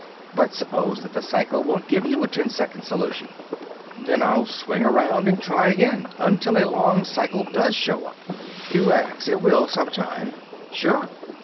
"But suppose that the cycle won't give you a ten second solution?" "Then I'll swing around and try again until a long cycle does show up." "QX. It will, sometime." "Sure.